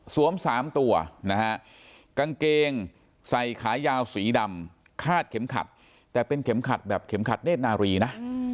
๓ตัวนะฮะกางเกงใส่ขายาวสีดำคาดเข็มขัดแต่เป็นเข็มขัดแบบเข็มขัดเนธนารีนะ